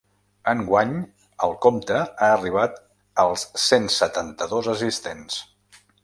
Enguany el compte ha arribat als cent setanta-dos assistents.